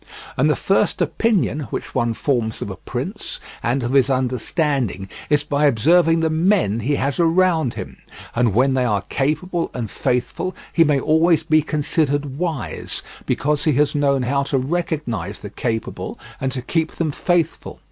And the first opinion which one forms of a prince, and of his understanding, is by observing the men he has around him; and when they are capable and faithful he may always be considered wise, because he has known how to recognize the capable and to keep them faithful.